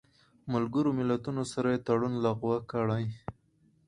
ملګرو ملتونو سره یې تړون لغوه کړی